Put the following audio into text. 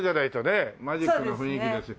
マジックの雰囲気だし。